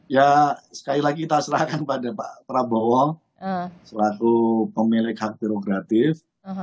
ya sekali lagi kita serahkan pada pak prabowo selaku pemilik hak birokratif